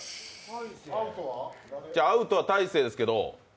アウトは大晴ですけど。